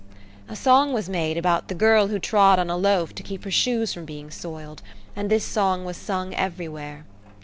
A song was made about "The girl who trod on a loaf to keep her shoes from being soiled," and this song was sung everywhere.